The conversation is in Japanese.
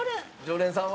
常連さん。